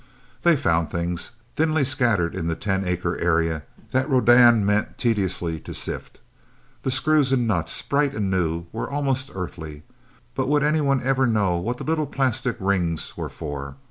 They found things, thinly scattered in the ten acre area that Rodan meant tediously to sift. The screws and nuts, bright and new, were almost Earthly. But would anyone ever know what the little plastic rings were for?